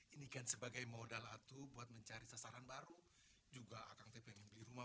ini kan sebagai modal atuh buat mencari sasaran baru juga akan tipe membeli rumah